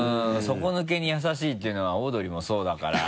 底抜けに優しいっていうのはオードリーもそうだから。